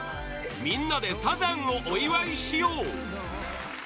みんなでサザンをお祝いしよう！